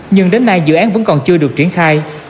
nhưng đến nay dự án vẫn còn chưa được triển khai